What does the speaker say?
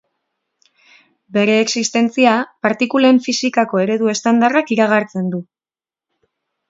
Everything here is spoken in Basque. Bere existentzia partikulen fisikako eredu estandarrak iragartzen du.